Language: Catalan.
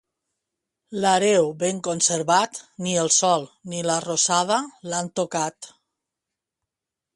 L'arreu ben conservat, ni el sol ni la rosada l'han tocat.